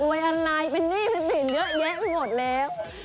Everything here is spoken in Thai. อะไรเป็นหนี้เป็นสินเยอะแยะไปหมดแล้ว